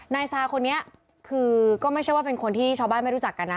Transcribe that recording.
นายซาคนนี้คือก็ไม่ใช่ว่าเป็นคนที่ชาวบ้านไม่รู้จักกันนะ